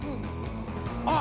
あ！